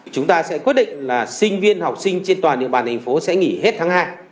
chúng ta sẽ quyết định là sinh viên học sinh trên toàn địa bàn thành phố sẽ nghỉ hết tháng hai